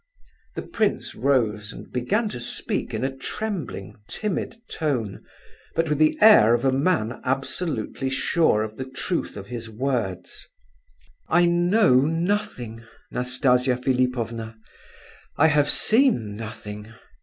The prince rose and began to speak in a trembling, timid tone, but with the air of a man absolutely sure of the truth of his words. "I know nothing, Nastasia Philipovna. I have seen nothing.